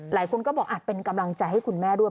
หลายคนก็บอกอาจเป็นกำลังใจให้คุณแม่ด้วย